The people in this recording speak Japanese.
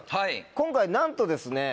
今回なんとですね